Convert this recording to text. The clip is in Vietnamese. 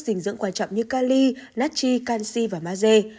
dình dưỡng quan trọng như cali natchi canxi và maze